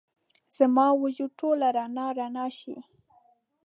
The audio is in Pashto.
زما وجود ټوله رڼا، رڼا شي